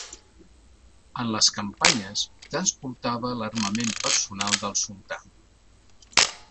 En les campanyes transportava l'armament personal del sultà.